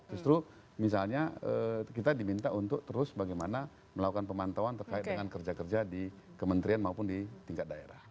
justru misalnya kita diminta untuk terus bagaimana melakukan pemantauan terkait dengan kerja kerja di kementerian maupun di tingkat daerah